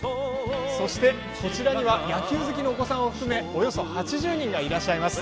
そして、こちらには野球好きのお子さんを含めおよそ８０人がいらっしゃいます。